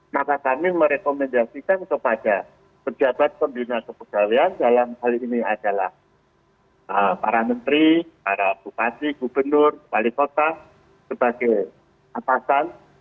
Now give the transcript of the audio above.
maka kami merekomendasikan kepada pejabat pembina kepegawaian dalam hal ini adalah para menteri para bupati gubernur wali kota sebagai atasan